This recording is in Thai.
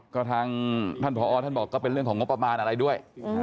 ก็ทางท่านผอท่านบอกก็เป็นเรื่องของงบประมาณอะไรด้วย